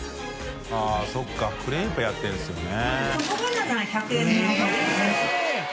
◆舛そうかクレープやってるんですよね。